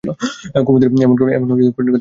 কুমুদের কছে এমন কঠিন কথা মতি আর শোনে নাই।